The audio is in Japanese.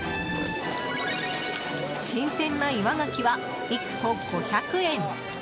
新鮮な岩牡蠣は１個５００円。